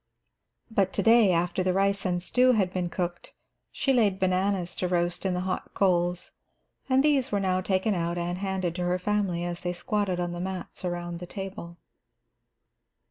But to day, after the rice and stew had been cooked, she laid bananas to roast in the hot coals, and these were now taken out and handed to her family as they squatted on the mats around the table.